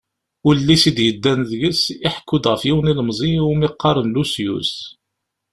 Ullis i d-yeddan deg-s iḥekku-d ɣef yiwen ilemẓi iwumi qqaren Lusyus.